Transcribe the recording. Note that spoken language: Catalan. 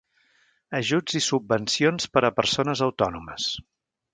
Ajuts i subvencions per a persones autònomes.